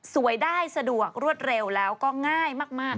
สวยได้สะดวกรวดเร็วแล้วก็ง่ายมาก